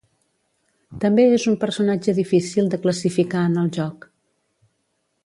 També és un personatge difícil de classificar en el joc.